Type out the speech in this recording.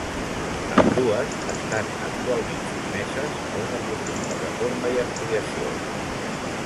Ambdues estan actualment sotmeses a una profunda reforma i ampliació.